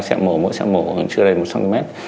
một hai ba sẽ mổ mỗi sẽ mổ chưa đầy một trăm linh cm